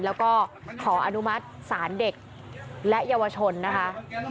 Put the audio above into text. แล้วก็ขออนุมัติศาลเด็กและเยาวชนนะคะ